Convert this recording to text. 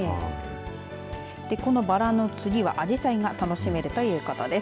このバラの次はアジサイが楽しめるということです。